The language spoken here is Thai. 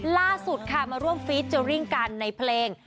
ล่าสุดค่ะมาร่วมฟีดเจอร์ริ่งกันในเพลง